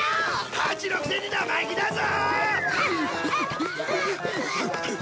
ハチのくせに生意気だぞ！